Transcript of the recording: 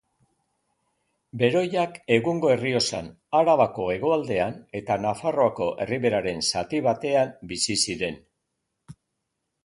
Beroiak egungo Errioxan, Arabako hegoaldean eta Nafarroako Erriberaren zati batean bizi ziren.